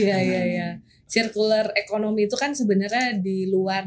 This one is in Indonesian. iya iya iya circular economy itu kan sebenarnya diluncurkan